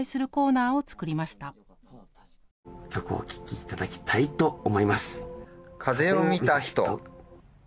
曲をお聴きいただきたいと思います。